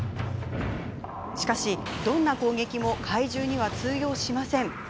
しかし、どんな攻撃も禍威獣には通用しません。